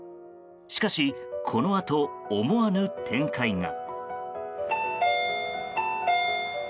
しかし、このあと思わぬ展開が。